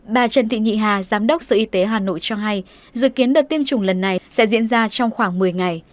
bà trần thị nhị hà giám đốc sở y tế hà nội cho hay dự kiến đợt tiêm chủng lần này sẽ diễn ra trong khoảng một mươi ngày